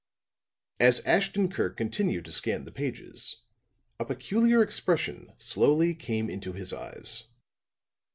As Ashton Kirk continued to scan the pages, a peculiar expression slowly came into his eyes.